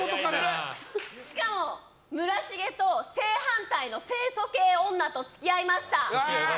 しかも村重と正反対の清楚系女と付き合いました。